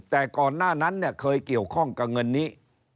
แต่ก่อนหน้านั้นเนี่ยเคยเกี่ยวข้องกับเงินนี้